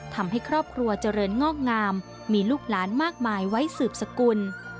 ทำให้ครอบครัวเจริญงอกงามมีลูกหลานมากมายไว้สืบสกุล